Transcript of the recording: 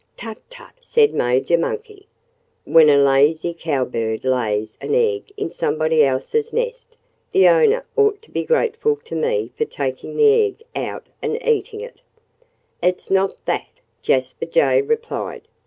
"Tut! Tut!" said Major Monkey. "When a lazy Cowbird lays an egg in somebody else's nest, the owner ought to be grateful to me for taking the egg out and eating it." "It's not that," Jasper Jay replied.